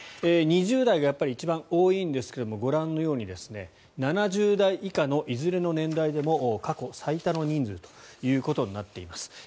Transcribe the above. ２０代が一番多いんですがご覧のように７０代以下のいずれの年代でも過去最多の人数ということになっています。